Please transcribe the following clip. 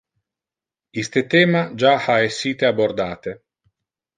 Iste thema ja ha essite abbordate.